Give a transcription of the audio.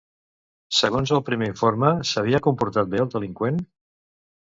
Segons el primer informe, s'havia comportat bé el delinqüent?